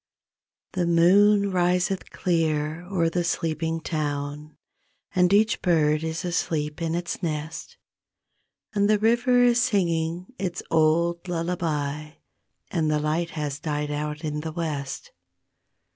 C he moon riseth clear o'er the sleeping town And each bird is asleep in its nest, And the river is singing its old lullaby And the light has died out in the West.